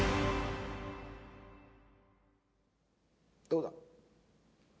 どうだ？